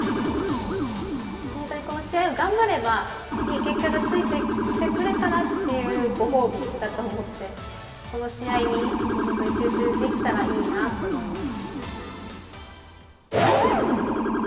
本当にこの試合を頑張れば、いい結果がついてきてくれたらっていうご褒美だと思って、この試合に本当に集中できたらいいなと思います。